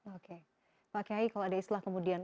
oke pak kiai kalau ada istilah kemudian